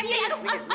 ya ya aduh